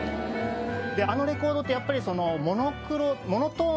であのレコードってやっぱりモノクロ